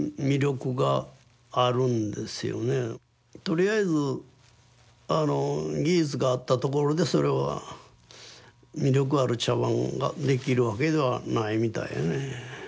とりあえず技術があったところでそれは魅力ある茶碗ができるわけではないみたいやね。